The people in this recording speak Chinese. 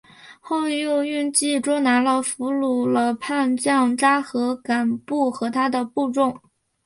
后又用计捉拿俘虏了叛将札合敢不和他的部众。